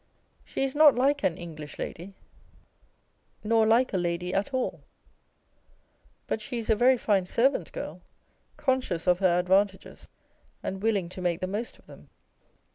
She is not like an English lady, nor like a lady at all; but she is a very fine servant girl, conscious of her advantages, and willing to make the most of them.